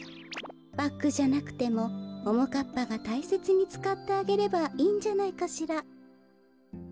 バッグじゃなくてもももかっぱがたいせつにつかってあげればいいんじゃないかしら。